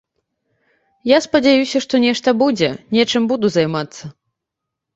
Я спадзяюся, што нешта будзе, нечым буду займацца.